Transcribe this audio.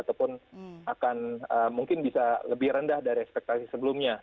ataupun akan mungkin bisa lebih rendah dari ekspektasi sebelumnya